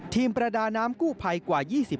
ประดาน้ำกู้ภัยกว่า๒๐